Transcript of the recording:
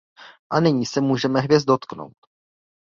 A nyní se můžeme hvězd dotknout!